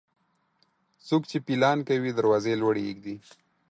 څوک چې پيلان کوي، دروازې لوړي اېږدي.